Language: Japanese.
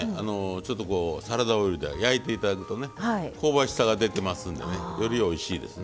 ちょっとこうサラダオイルで焼いていただくとね香ばしさが出てますんでねよりおいしいですね。